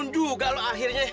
bangun juga lo akhirnya